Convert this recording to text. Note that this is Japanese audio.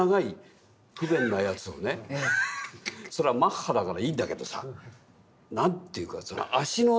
そりゃマッハだからいいんだけどさ何ていうか脚のね